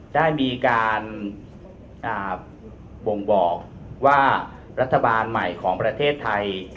ได้มีการบ่งบอกว่ารัฐบาลใหม่ของประเทศไทย